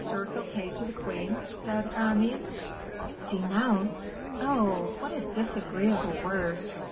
Fouquet to the queen," said Aramis. "'Denounce!' Oh! what a disagreeable word.